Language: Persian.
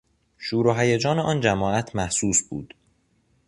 شور و هیجان آن جماعت محسوس بود.